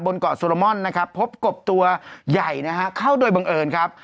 เกาะโซโลมอนนะครับพบกบตัวใหญ่นะฮะเข้าโดยบังเอิญครับ